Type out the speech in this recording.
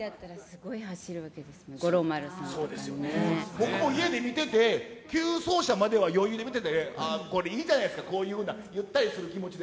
僕も家で見てて、９走者までは余裕で見てて、いいじゃないですか、こういうふうな、ゆったりする気持ちで。